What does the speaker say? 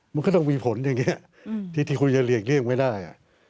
มันก็ต้องมีผลอย่างนี้ที่คุณจะหลีกเลี่ยงไม่ได้